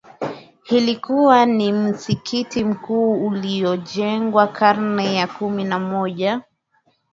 lilikuwa ni msikiti mkuu uliojengwa karne ya kumi na moja